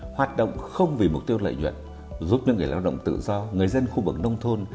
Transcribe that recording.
hoạt động không vì mục tiêu lợi nhuận giúp những người lao động tự do người dân khu vực nông thôn